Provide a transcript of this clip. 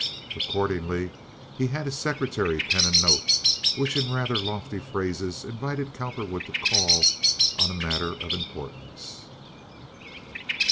Accordingly, he had his secretary pen a note, which in rather lofty phrases invited Cowperwood to call "on a matter of importance."